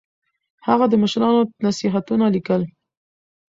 هغه د مشرانو نصيحتونه ليکل.